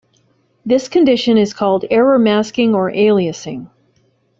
This condition is called error masking or aliasing.